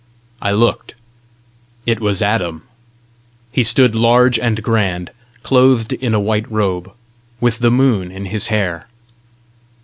I looked: it was Adam. He stood large and grand, clothed in a white robe, with the moon in his hair.